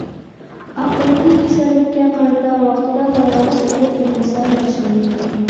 ئاقىۋىتى كېسەللىككە قارىتا ۋاقتىدا داۋالاش ئېلىپ بېرىلسا ياخشىلىنىدۇ.